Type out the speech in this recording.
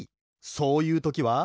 そういうときは。